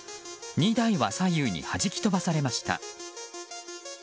２台は左右にはじき飛ばされました。